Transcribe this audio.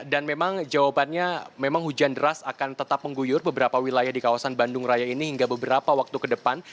dan memang jawabannya memang hujan deras akan tetap mengguyur beberapa wilayah di kawasan bandung raya ini hingga beberapa waktu ke depan